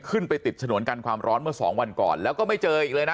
ขึ้นไปติดฉนวนกันความร้อนเมื่อสองวันก่อนแล้วก็ไม่เจออีกเลยนะ